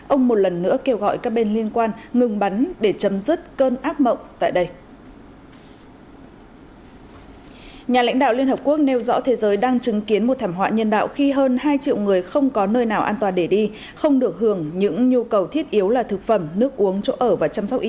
ông một lần nữa kêu gọi các bên liên quan ngừng bắn để chấm dứt cơn ác mộng tại đây